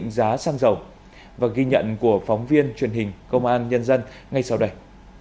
giá xăng dầu và ghi nhận của phóng viên truyền hình công an nhân dân ngay sau đây